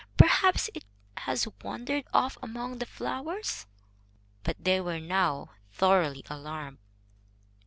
"Perhaps it has wandered off among the flowers." But they were now thoroughly alarmed.